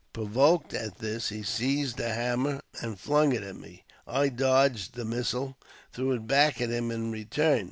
Provoked at this, he seized a hammer and flung at me. I dodged the missile, and threw it back at him in return.